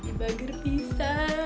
bagi bager pisah